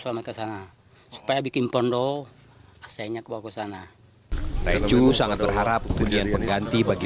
selamat kesana supaya bikin pondok aslinya kebawa ke sana recu sangat berharap hunian pengganti bagi